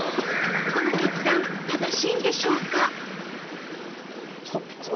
この決断正しいんでしょうか？